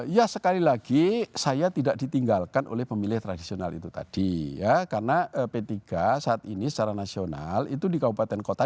ya sekali lagi saya tidak ditinggalkan oleh pemilih tradisional itu tadi ya karena p tiga saat ini secara nasional itu di kabupaten kota